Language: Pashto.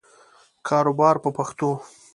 کاروبار په پښتو.